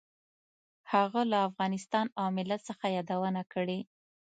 هغه له افغانستان او ملت څخه یادونه کړې.